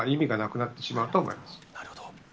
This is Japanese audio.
なるほど。